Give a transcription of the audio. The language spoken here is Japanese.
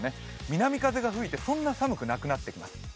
南風が吹いてそんな寒くなくなってきます。